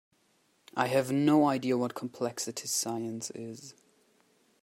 I have no idea what complexity science is.